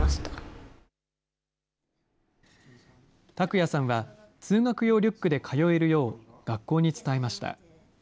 琢哉さんは、通学用リュックで通えるよう、学校に伝えました。